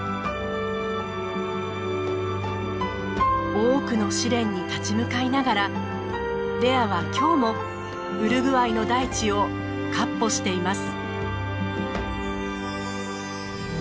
多くの試練に立ち向かいながらレアは今日もウルグアイの大地をかっ歩しています。